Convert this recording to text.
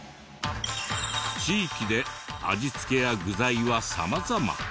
地域で味付けや具材は様々。